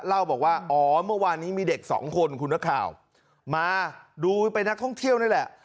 เล่าบอกว่าอ๋อเมื่อวานนี้มีเด็กสองคนคุณนักข่าวมาดูเป็นนักท่องเที่ยวนี่แหละ